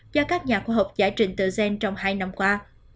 do các nhà khoa học giải trình tự gen trong hai năm qua